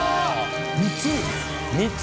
３つ！？